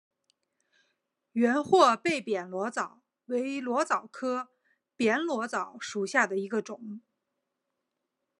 圆货贝扁裸藻为裸藻科扁裸藻属下的一个种。